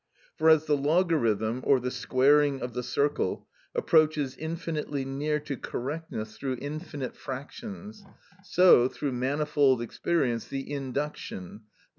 For as the logarithm, or the squaring of the circle, approaches infinitely near to correctness through infinite fractions, so, through manifold experience, the induction, _i.